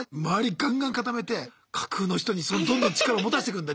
ガンガン固めて架空の人にどんどん力を持たせてくんだ？